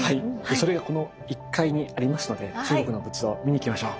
それがこの１階にありますので中国の仏像見に行きましょう。